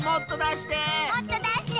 もっとだして！